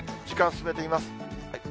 時間進めてみます。